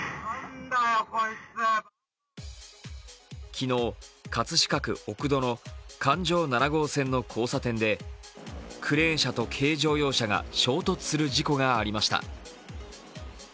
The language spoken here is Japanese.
昨日、葛飾区奥戸の環状七号線の交差点でクレーン車と軽乗用車が衝突する事故がありました。